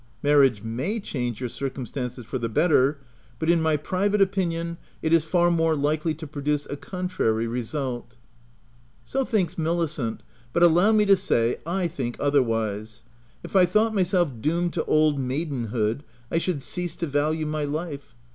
Marriage may change your circum stances for the better, but in my private opinion, it is far more likely to produce a contrary result. ?" So thinks Milicent, but allow me to say, 1 think otherwise. If I thought myself doomed to oldmaidenhood, I should cease to value my life.